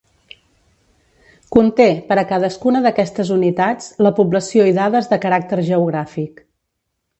Conté, per a cadascuna d'aquestes unitats, la població i dades de caràcter geogràfic.